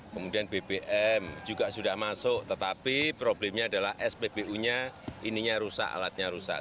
kemudian bbm juga sudah masuk tetapi problemnya adalah spbu nya ininya rusak alatnya rusak